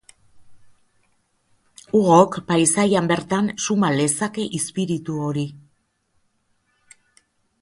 Hugok paisaian bertan suma lezake izpiritu hori.